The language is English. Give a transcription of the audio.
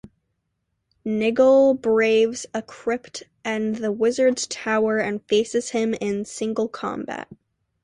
Nigel braves a crypt and the wizard's tower and faces him in single combat.